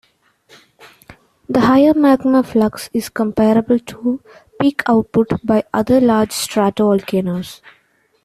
The higher magma flux is comparable to peak output by other large stratovolcanoes.